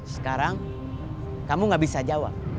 sekarang kamu gak bisa jawab